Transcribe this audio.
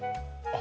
あ！